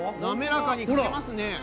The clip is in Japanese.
なめらかに書けますね。